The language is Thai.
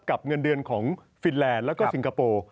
เงินเดือนของฟินแลนด์แล้วก็สิงคโปร์